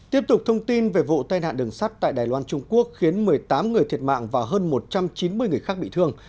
tiếp tục thông tin về vụ tai nạn đường sắt tại đài loan trung quốc khiến một mươi tám người thiệt mạng và hơn một trăm chín mươi người khác bị thương